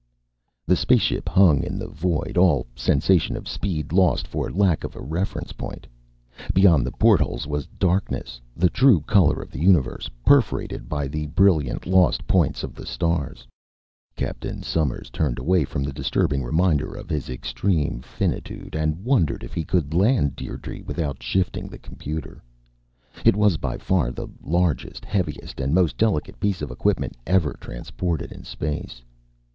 The spaceship hung in the void, all sensation of speed lost for lack of a reference point. Beyond the portholes was darkness, the true color of the Universe, perforated by the brilliant lost points of the stars. Captain Somers turned away from the disturbing reminder of his extreme finitude and wondered if he could land Dierdre without shifting the computer. It was by far the largest, heaviest and most delicate piece of equipment ever transported in space.